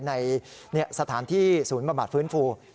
ในสถานที่ศูนย์บำบัดฟื้นฟู